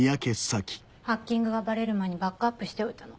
ハッキングがバレる前にバックアップしておいたの。